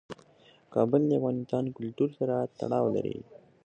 کابل د افغان کلتور سره تړاو لري.